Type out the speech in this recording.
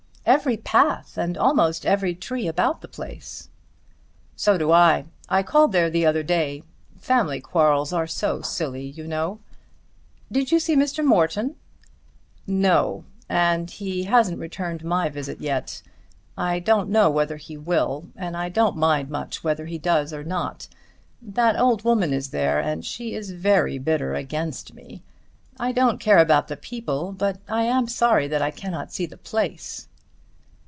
"Every path and almost every tree about the place." "So do I. I called there the other day. Family quarrels are so silly, you know." "Did you see Mr. Morton?" "No; and he hasn't returned my visit yet. I don't know whether he will, and I don't much mind whether he does or not. That old woman is there, and she is very bitter against me. I don't care about the people, but I am sorry that I cannot see the place."